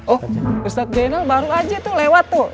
oh ustadz zainal baru aja tuh lewat tuh